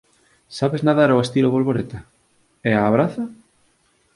Sabes nadar ó estilo bolboreta? e a braza?